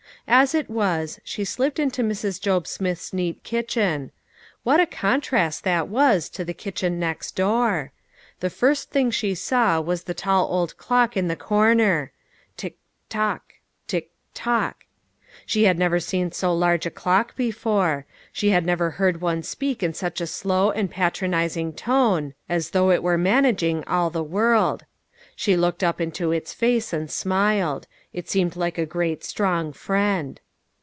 As it was, she slipped into Mrs. Job Smith's neat kitchen. What a contrast that was to the kitchen next door ! The first thing she saw was the tall old clock in the corner." " Tick tock, tick tock." She had never seen so large a clock before ; she had never heard one speak in such a slow and patronizing tone, as though it were managing all the world. She looked up into its face and smiled. It seemed like a great strong friend.